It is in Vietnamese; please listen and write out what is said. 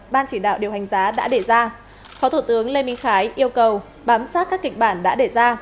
ban chỉ đạo điều hành giá đã để ra phó thủ tướng lê minh khái yêu cầu bám sát các kịch bản đã để ra